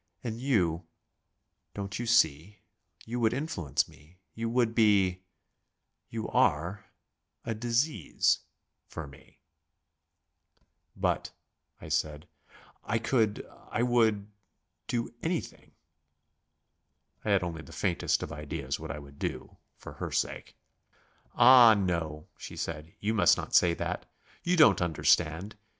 And you Don't you see, you would influence me; you would be you are a disease for me." "But," I said, "I could I would do anything." I had only the faintest of ideas of what I would do for her sake. "Ah, no," she said, "you must not say that. You don't understand....